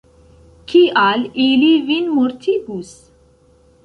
Kial, ili vin mortigus?